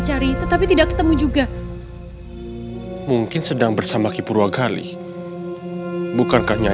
siapa roman yang atau dipenekankan